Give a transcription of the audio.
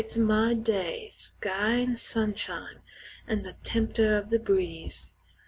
] It's my day, sky an' sunshine, an' the temper o' the breeze.